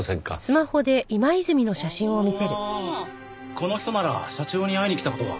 この人なら社長に会いに来た事が。